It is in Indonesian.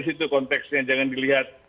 situ konteksnya jangan dilihat